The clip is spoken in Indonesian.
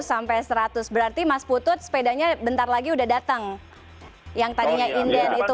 sampai seratus berarti mas putut sepedanya bentar lagi udah datang yang tadinya inden itu